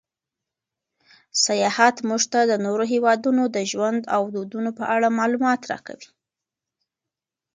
سیاحت موږ ته د نورو هېوادونو د ژوند او دودونو په اړه معلومات راکوي.